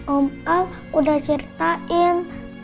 om al udah ceritain